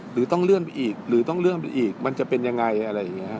หรือต้องเลื่อนไปอีกหรือต้องเลื่อนไปอีกมันจะเป็นอย่างไร